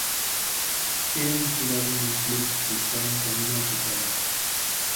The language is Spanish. Era empleado en el club y estaba en camino a su trabajo.